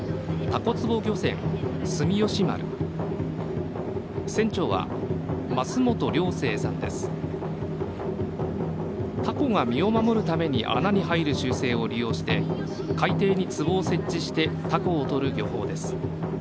タコが身を守るために穴に入る習性を利用して海底につぼを設置してタコをとる漁法です。